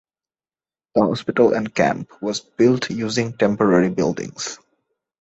The hospital and camp was built using temporary buildings.